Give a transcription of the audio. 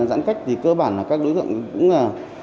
giãn cách thì cơ bản là các đối tượng cũng